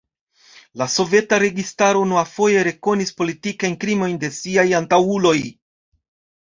La soveta registaro unuafoje rekonis politikajn krimojn de siaj antaŭuloj.